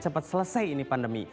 cepat selesai ini pandemi